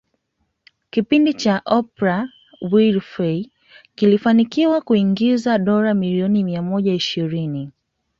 Kipindi hicho cha Oprah Winfrey kilifanikiwa kuingiza dola milioni mia moja ishirini